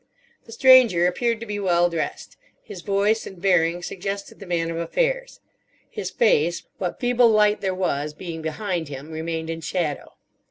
The Stranger appeared to be well dressed; his voice and bearing suggested the man of affairs; his face—what feeble light there was being behind him—remained in shadow.